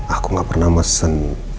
aku gak pernah masih nonton video ini ya